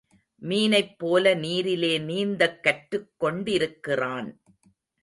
மீனைப் போல நீரிலே நீந்தக் கற்றுக்கொண்டிருக்கிறான்.